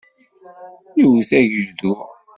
Iwwet agejdur.